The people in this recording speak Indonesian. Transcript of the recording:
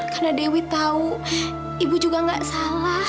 karena dewi tahu ibu juga nggak salah